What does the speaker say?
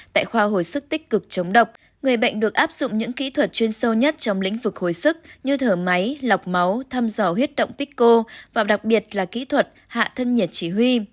tại khoa hồi sức tích cực chống độc người bệnh được áp dụng những kỹ thuật chuyên sâu nhất trong lĩnh vực hồi sức như thở máy lọc máu thăm dò huyết động pixco và đặc biệt là kỹ thuật hạ thân nhiệt chỉ huy